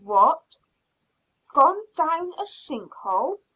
"What, gone down a sink hole?"